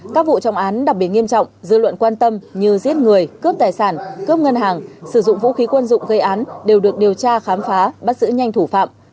các vụ trọng án đặc biệt nghiêm trọng dư luận quan tâm như giết người cướp tài sản cướp ngân hàng sử dụng vũ khí quân dụng gây án đều được điều tra khám phá bắt giữ nhanh thủ phạm